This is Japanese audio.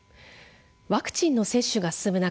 ワクチンの接種が進む中